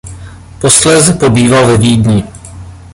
Posléze pobýval ve Vídni.